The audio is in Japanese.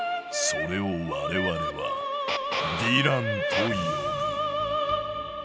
それを我々は「ヴィラン」と呼ぶ。